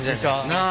なあ。